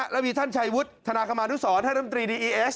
แล้วมีท่านชัยวุฒิธนาคมนุษย์ท่านรัมนตรี